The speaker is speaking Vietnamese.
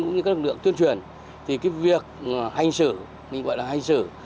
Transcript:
cũng như các lực lượng tuyên truyền thì cái việc hành xử mình gọi là hành xử